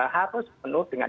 harus penuh dengan